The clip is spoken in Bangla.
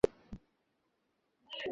আমি তিন বলার সাথে সাথে।